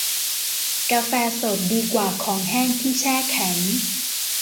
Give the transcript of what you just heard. กาแฟสดดีกว่าของแห้งที่แช่แข็ง